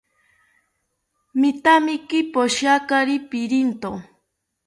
Mitaakimi poshiakari pirinto